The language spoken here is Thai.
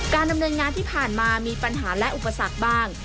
ดำเนินงานที่ผ่านมามีปัญหาและอุปสรรคบ้าง